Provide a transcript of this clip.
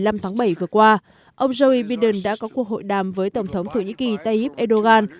hôm một mươi năm tháng bảy vừa qua ông joey biden đã có cuộc hội đàm với tổng thống thổ nhĩ kỳ tayyip erdogan